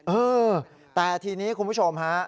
เออแต่ทีนี้คุณผู้ชมฮะ